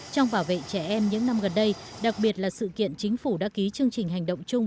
trong bảo vệ trẻ em những năm gần đây đặc biệt là sự kiện chính phủ đã ký chương trình hành động chung